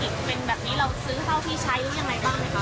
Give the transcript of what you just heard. ถือเป็นเศรษฐกิจเป็นแบบนี้